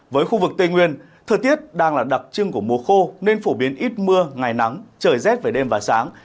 với khu vực tây nguyên thời tiết đang là đặc trưng của mùa khô nên phổ biến ít mưa ngày nắng trời rét về đêm và sáng